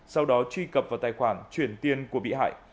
sau đó truy cập vào tài khoản chuyển tiền của bị hại